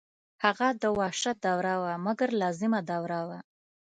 هغه د وحشت دوره وه مګر لازمه دوره وه.